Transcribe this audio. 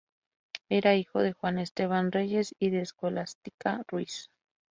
Era hijo de Juan Esteban Reyes y de Escolástica Ruiz.